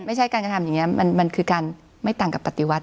ไม่ใช่การกระทำอย่างนี้มันคือการไม่ต่างกับปฏิวัติ